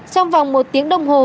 trong vòng một tiếng đồng hồ